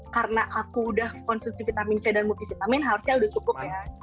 karena aku udah konsumsi vitamin c dan multivitamin harusnya udah cukup ya